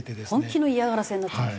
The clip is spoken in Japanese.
本気の嫌がらせになっちゃう。